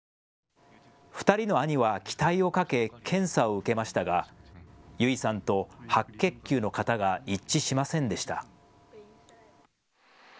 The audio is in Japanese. ２人の兄は期待をかけ検査を受けましたが優生さんと白血球の型が一致しませんでした。